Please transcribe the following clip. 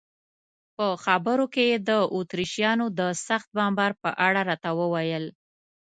په خبرو کې یې د اتریشیانو د سخت بمبار په اړه راته وویل.